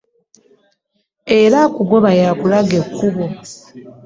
Era akogoba y'akulaga ekkubo .